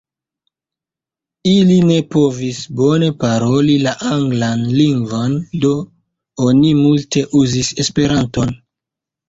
Ili ne povis bone paroli la anglan lingvon, do oni multe uzis Esperanton.